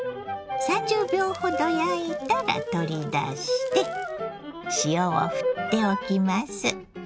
３０秒ほど焼いたら取り出して塩をふっておきます。